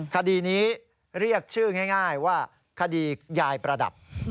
คดีนี้เรียกชื่อง่ายว่าคดียายประดับ